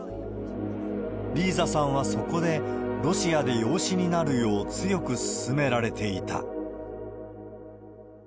リーザさんはそこで、ロシアで養子になるよう強く勧められていた。